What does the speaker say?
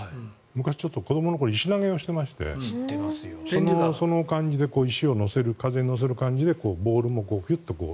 昔、子どもの頃に石投げをしてましてその感じで石を風に乗せる感じでボールもヒュッと。